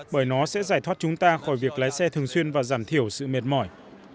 để thoát chúng ta khỏi việc lái xe thường xuyên và giảm thiểu sự mệt mỏi